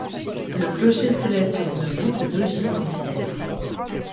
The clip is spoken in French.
Le clocher s'élève sur une voûte d'ogives en pierre.